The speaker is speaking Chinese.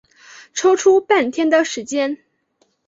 抽出半天的时间